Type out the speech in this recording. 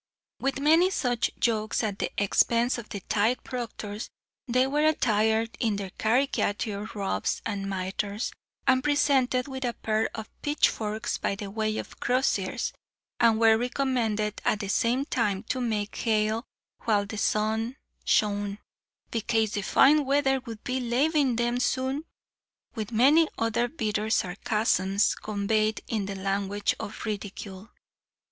With many such jokes at the expense of the tithe proctors, they were attired in their caricature robes and mitres, and presented with a pair of pitchforks, by way of crosiers, and were recommended at the same time to make hay while the sun shone, "bekase the fine weather would be lavin' them soon;" with many other bitter sarcasms, conveyed in the language of ridicule.